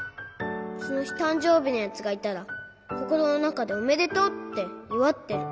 そのひたんじょうびのやつがいたらココロのなかでおめでとうっていわってる。